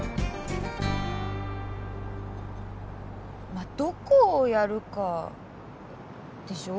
まあどこをやるかでしょ？